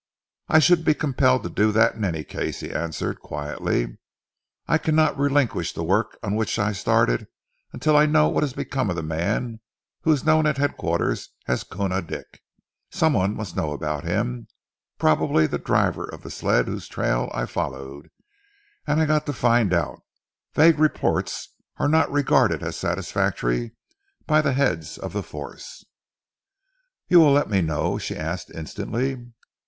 "I should be compelled to do that in any case," he answered quietly. "I cannot relinquish the work on which I started until I know what has become of the man who is known at headquarters as Koona Dick. Some one must know about him probably the driver of the sled whose trail I followed, and I've got to find out. Vague reports are not regarded as satisfactory by the heads of the force." "You will let me know?" she asked instantly.